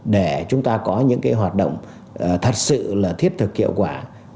để chúng ta có những hoạt động thiết thực hiệu quả